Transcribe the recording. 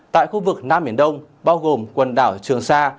tại khu vực nam biển đông bao gồm quần đảo trường sa